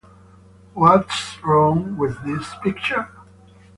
What's Wrong with This Picture?